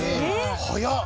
早っ！